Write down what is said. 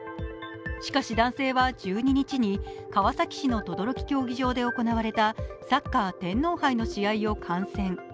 しかし男性は１２日に川崎市の等々力陸上競技場で行われたサッカー天皇杯の試合を観戦。